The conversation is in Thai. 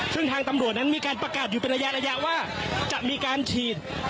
ซึ่งทางตำรวจนั้นมีการประกาศอยู่เป็นระยะว่าจะมีการฉีด